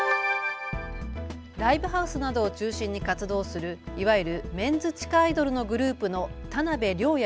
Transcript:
ライブハウスなどを中心に活動するいわゆるメンズ地下アイドルのグループの田辺稜弥